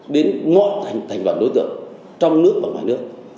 đến mọi thành toàn đối tượng trong nước và ngoài nước